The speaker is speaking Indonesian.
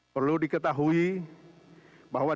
perlu diketahui bahwa